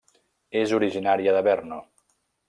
És originària de Brno.